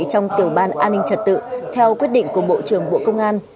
trong tiểu ban an ninh trật tự theo quyết định của bộ trưởng bộ công an